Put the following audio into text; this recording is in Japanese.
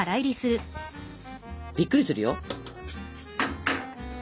びっくりするよ。